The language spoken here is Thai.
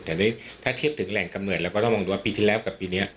แต่ถ้าเทียบถึงแหล่งกำเนิดเราก็ต้องมองดูว่าปีที่แล้วกับปีนี้